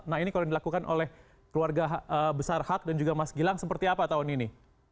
nah ini kalau yang dilakukan oleh keluarga besar hak dan juga mas gilang seperti apa tahun ini